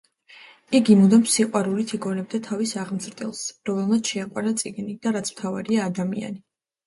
იგი მუდამ სიყვარულით იგონებდა თავის აღმზრდელს, რომელმაც შეაყვარა წიგნი და რაც მთავარია, ადამიანი.